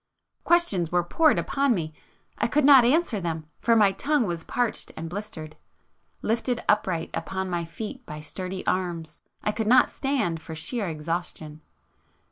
Questions were poured upon me, ... I could not answer them, for my tongue was parched and blistered, ... lifted upright upon my feet by sturdy arms, I could not stand for sheer exhaustion.